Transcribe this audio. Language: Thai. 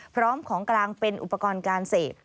พร้อมของกลางเป็นอุปกรณ์การเสพ